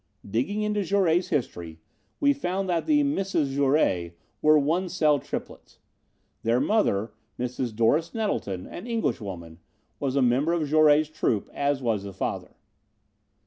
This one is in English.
"Digging into Jouret's history we found that the 'Misses Jouret' were one cell triplets. Their mother, Mrs. Doris Nettleton, an English woman, was a member of Jouret's troupe, as was the father.